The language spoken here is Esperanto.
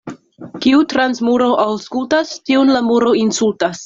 Kiu trans muro aŭskultas, tiun la muro insultas.